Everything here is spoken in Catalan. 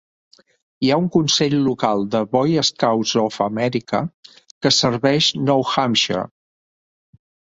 Hi ha un consell local de Boy Scouts of America que serveix Nou Hampshire.